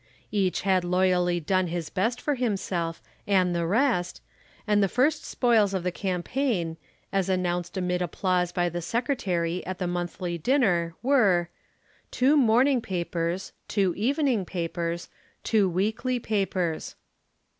Each had loyally done his best for himself and the rest, and the first spoils of the campaign, as announced amid applause by the Secretary at the monthly dinner, were Two Morning Papers, Two Evening Papers, Two Weekly Papers.